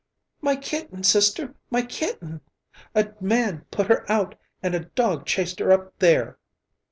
"My kitten, sister, my kitten! A man put her out, and a dog chased her up there."